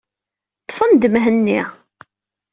Ḍḍfen-d Mhenni.